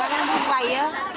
là nó hết nghề đây